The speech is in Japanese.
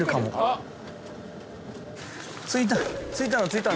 着いた。